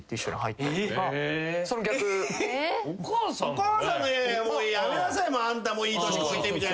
お母さん「やめなさいあんたもいい年こいて」みたいな。